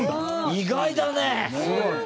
意外だね！